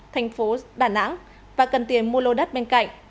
thành phố đà nẵng và cần tiền mua lô đất bên cạnh